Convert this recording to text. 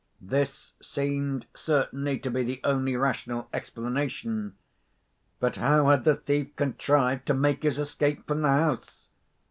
This seemed certainly to be the only rational explanation. But how had the thief contrived to make his escape from the house?